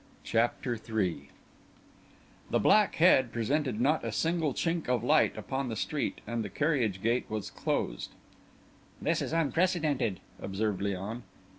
CHAPTER III The "Black Head" presented not a single chink of light upon the street, and the carriage gate was closed. "This is unprecedented," observed Léon.